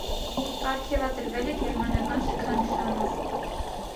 Պարգևատրվել է գերմանական շքանշանով։